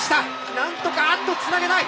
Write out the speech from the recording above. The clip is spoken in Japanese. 何とかあっとつなげない！